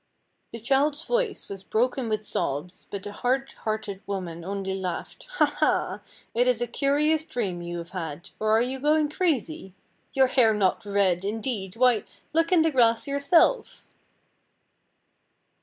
The child's voice was broken with sobs, but the hard hearted woman only laughed, "Ha! ha! it is a curious dream you have had, or are you going crazy? your hair not red! indeed! why, look in the glass yourself."